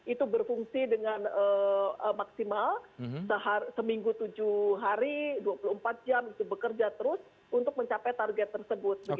itu berfungsi dengan maksimal seminggu tujuh hari dua puluh empat jam itu bekerja terus untuk mencapai target tersebut